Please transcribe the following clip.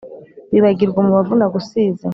Wibagirwa umubavu nagusize